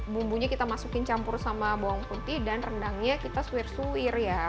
bumbunya kita masukin campur sama bawang putih dan rendangnya kita suir suwir ya